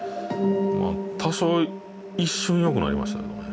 まあ多少一瞬よくなりましたけどね。